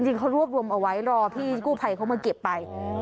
จริงเขารวบรวมเอาไว้รอพี่กู้ภัยเขามาเก็บไป